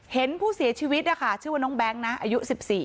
เห็นผู้เสียชีวิตนะคะชื่อว่าน้องแบงค์นะอายุ๑๔